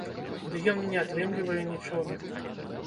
Ды ён не атрымлівае нічога.